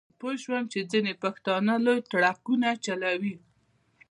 پوی شوم چې ځینې پښتانه لوی ټرکونه چلوي.